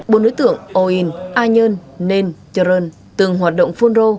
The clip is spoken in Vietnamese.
bộ nữ tượng o in a nhân nên trơn từng hoạt động phun đô